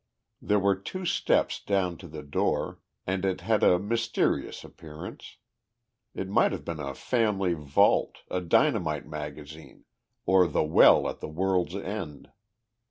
There were two steps down to the door, and it had a mysterious appearance. It might have been a family vault, a dynamite magazine, or the Well at the World's End.